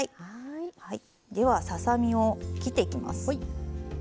ではささ身を切っていきます。